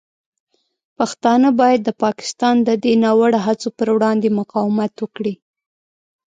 پښتانه باید د پاکستان د دې ناوړه هڅو پر وړاندې مقاومت وکړي.